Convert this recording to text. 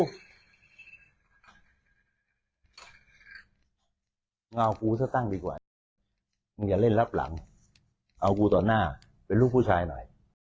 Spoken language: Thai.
เงากูซะตั้งดีกว่ามึงอย่าเล่นรับหลังเอากูต่อหน้าเป็นลูกผู้ชายหน่อย